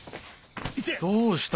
どうした？